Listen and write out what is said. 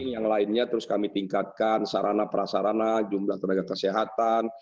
yang lainnya terus kami tingkatkan sarana prasarana jumlah tenaga kesehatan